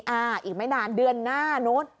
อ่าอีกไม่นานเดือนหน้านู้น